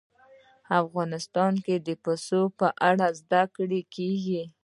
افغانستان کې د پسه په اړه زده کړه کېږي.